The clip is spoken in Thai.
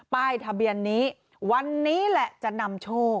ป้ายทะเบียนนี้วันนี้แหละจะนำโชค